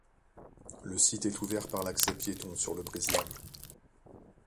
Le site est ouvert par l'accès piéton sur le brise-lames.